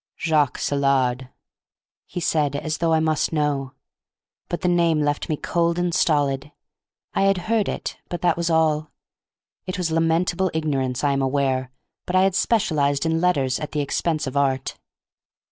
"Jacques Saillard," he said, as though now I must know. But the name left me cold and stolid. I had heard it, but that was all. It was lamentable ignorance, I am aware, but I had specialized in Letters at the expense of Art.